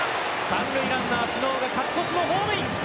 三塁ランナー小竹が勝ち越しのホームイン！